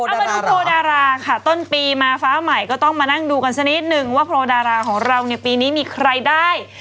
เอามาดูโพลดาราค่ะต้นปีมาฟ้าใหม่ก็ต้องมานั่งดูกันสักนิดนึงว่าโพลดาราของเราในปีนี้มีใครได้